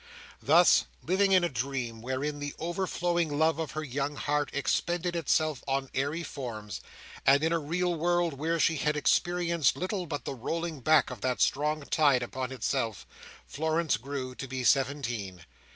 Thus living, in a dream wherein the overflowing love of her young heart expended itself on airy forms, and in a real world where she had experienced little but the rolling back of that strong tide upon itself, Florence grew to be seventeen.